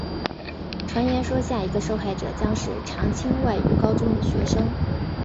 传言说下一个受害者将是常青外语高中的学生。